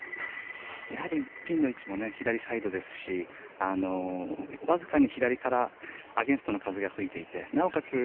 やはりピンの位置も左サイドですしわずかに左からアゲンストの風が吹いていて、なおかつ